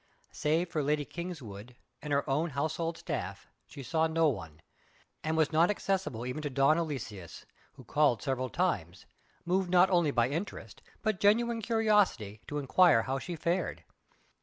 Save for Lady Kingswood and her own household staff, she saw no one, and was not accessible even to Don Aloysius, who called several times, moved not only by interest, but genuine curiosity, to enquire how she fared.